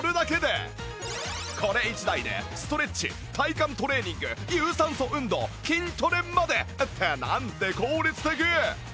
これ１台でストレッチ体幹トレーニング有酸素運動筋トレまでってなんて効率的！